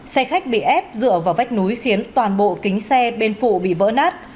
xe khách bị ép dựa vào vách núi khiến toàn bộ kính xe bên phụ bị vỡ nát